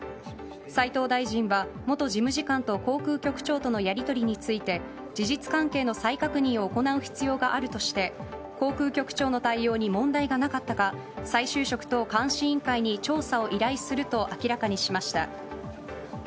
斉藤国務大臣は航空局長のやり取りについて事実関係を再確認する必要があるとして航空局長の対応に問題がなかったか再就職等監視委員会に調査を依頼すると明らかにしました。